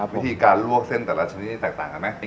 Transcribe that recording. วิธีการลวกเส้นแต่ละชนิดแตกต่างกันไหม